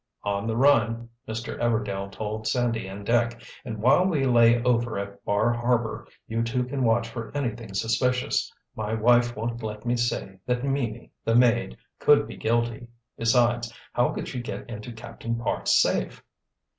"On the run," Mr. Everdail told Sandy and Dick, "and while we lay over at Bar Harbor, you two can watch for anything suspicious. My wife won't let me say that Mimi, the maid, could be guilty—besides, how could she get into Captain Parks' safe?"